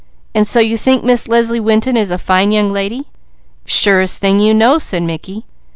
And so you think Miss Leslie Winton is a fine young lady?" "Surest thing you know," said Mickey.